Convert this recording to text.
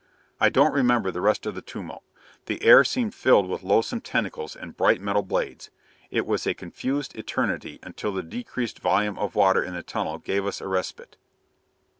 I don't remember the rest of the tumult. The air seemed filled with loathsome tentacles and bright metal blades. It was a confused eternity until the decreased volume of water in the tunnel gave us a respite....